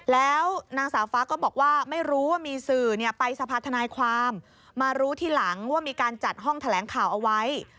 แล้วนางสาวฟ้าก็บอกว่าไม่รู้ว่ามีสื่อไปสภาธนายความมารู้ทีหลังว่ามีการจัดห้องแถลงข่าวเอาไว้